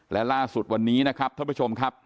และล่าสุดวันนี้นะครับท่านผู้ชมครับ